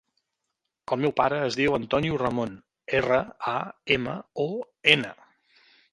El meu pare es diu Antonio Ramon: erra, a, ema, o, ena.